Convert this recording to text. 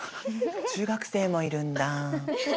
中学生もいるんだ。